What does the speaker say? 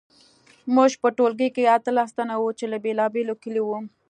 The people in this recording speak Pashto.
موږ په ټولګي کې اتلس تنه وو چې له بیلابیلو کلیو وو